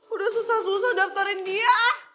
udah susah susah daftarin dia